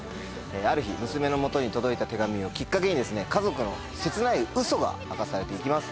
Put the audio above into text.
ある日娘の元に届いた手紙をきっかけにですね家族の切ないウソが明かされて行きます。